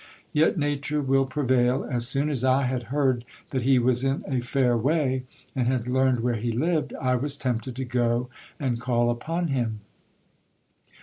Yet nature will prevail : as soon as I had heard that he was in a fair way, and had learned where he lived, I was tempted to go and call upon him.